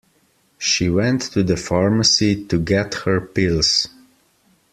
She went to the pharmacy to get her pills.